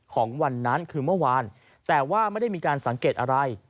ของวันนั้นคือเมื่อวานแต่ว่าไม่ได้มีการสังเกตอะไร